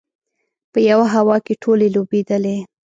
په یوه هوا کې ټولې لوبېدلې.